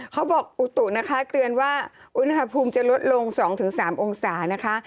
เขาบอกอุตุนะคะเตือนว่าอุณหภูมิจะลดลง๒๓องศานะคะ